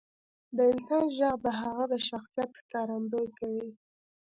• د انسان ږغ د هغه د شخصیت ښکارندویي کوي.